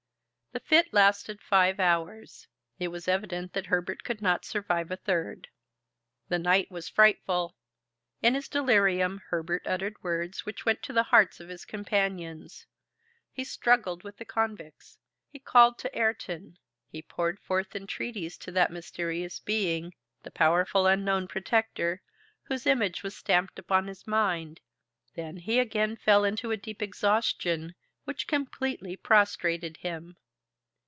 The fit lasted five hours. It was evident that Herbert could not survive a third. The night was frightful. In his delirium Herbert uttered words which went to the hearts of his companions. He struggled with the convicts, he called to Ayrton, he poured forth entreaties to that mysterious being, that powerful unknown protector, whose image was stamped upon his mind; then he again fell into a deep exhaustion which completely prostrated him.